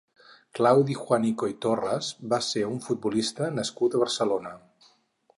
Claudi Juanico i Torres va ser un futbolista nascut a Barcelona.